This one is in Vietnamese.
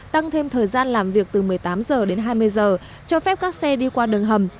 tăng thêm thời gian làm việc từ một mươi tám h đến hai mươi giờ cho phép các xe đi qua đường hầm